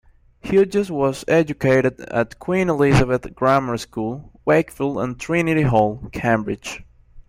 Hughes was educated at Queen Elizabeth Grammar School, Wakefield and Trinity Hall, Cambridge.